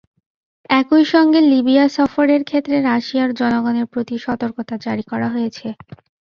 একই সঙ্গে লিবিয়া সফরের ক্ষেত্রে রাশিয়ার জনগণের প্রতি সতর্কতা জারি করা হয়েছে।